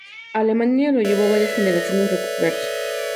A Alemania le llevó varias generaciones recuperarse.